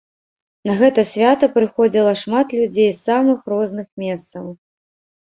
На гэта свята прыходзіла шмат людзей з самых розных месцаў.